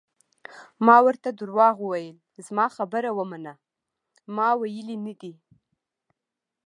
ما ورته درواغ وویل: زما خبره ومنه، ما ویلي نه دي.